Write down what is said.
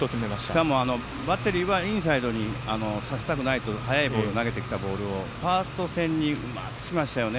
しかも、バッテリーはインサイドにさせたくないと速いボールを投げてきたボールをファースト線にうまく打ちました。